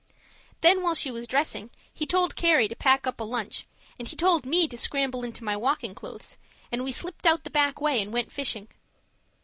Then while she was dressing, he told Carrie to pack up a lunch, and he told me to scramble into my walking clothes; and we slipped out the back way and went fishing.